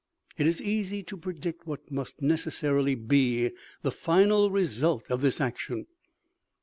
"It is easy to predict what must necessarily be the final result of this action.